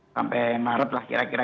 sampai maret lah kira kira